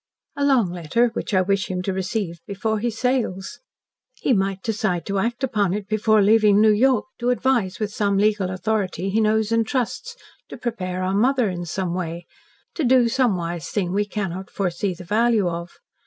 "A long letter, which I wish him to receive before he sails. He might decide to act upon it before leaving New York, to advise with some legal authority he knows and trusts, to prepare our mother in some way to do some wise thing we cannot foresee the value of.